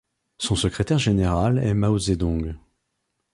Son secrétaire général est Mao Zedong.